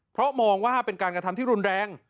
เพราะมองว่าเป็นการกระทำที่รุนแรง